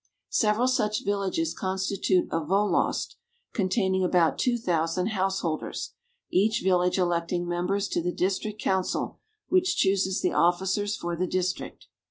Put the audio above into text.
Several such villages constitute a volost, containing about two thousand householders, each village electing members to the district council, which chooses the officers for the district.